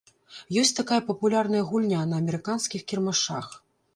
Ёсць такая папулярная гульня на амерыканскіх кірмашах.